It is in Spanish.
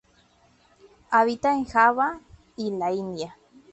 Habita en Java y la India.